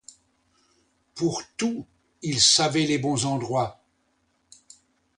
Pour tout, il savait les bons endroits.